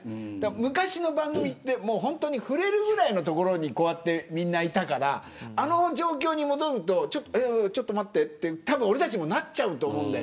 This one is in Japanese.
昔の番組って触れるぐらいの所にこうやって、みんないたからあの状況に戻るとちょっと待ってって、たぶん俺たちもなっちゃうと思う。